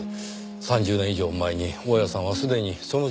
３０年以上も前に大屋さんはすでにそのジャンルを。